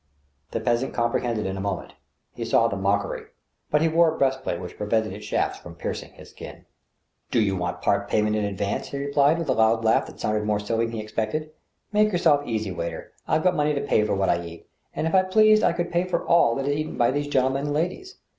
The peasant comprehended in a moment ; he saw the mockery, but he wore a breastplate which prevented its shafts from piercing his skin. A MIDXIGHT SUPPER. 25 " Do you want part payment in advance ?" he replied, with a loud laugh which sounded more silly than he expected. '' Make yourself easy, waiter. I've got money to pay for what I eat, and if I pleased I could pay for all that is eaten by these gentlemen and ladies.